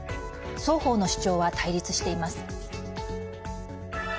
双方の主張は対立しています。